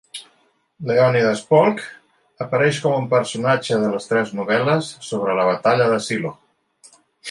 Leonidas Polk apareix com un personatge de les tres novel·les sobre la Batalla de Shiloh.